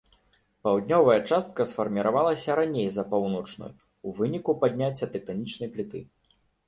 Паўднёвая частка сфарміравалася раней за паўночную ў выніку падняцця тэктанічнай пліты.